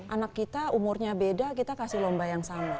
anak kita umurnya beda kita kasih lomba yang sama